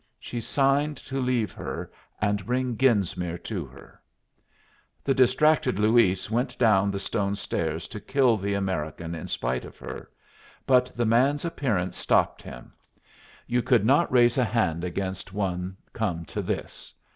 She signed to leave her and bring Genesmere to her. The distracted Luis went down the stone stairs to kill the American in spite of her, but the man's appearance stopped him. You could not raise a hand against one come to this.